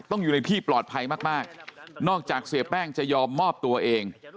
อยู่ในที่ปลอดภัยมากนอกจากเสียแป้งจะยอมมอบตัวเอง